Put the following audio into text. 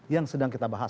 yang sedang kita bahas